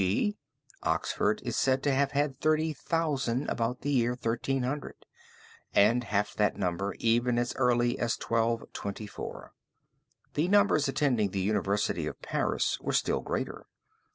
g._ Oxford is said to have had thirty thousand about the year 1300, and half that number even as early as 1224. The numbers attending the University of Paris were still greater.